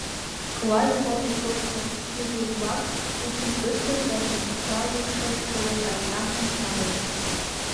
Коваже комдык почмо Библий ӱмбак кидшым пыштыш да шинчалыкше гоч Анитам ончале.